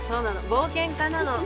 冒険家なの。